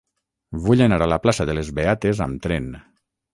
Vull anar a la plaça de les Beates amb tren.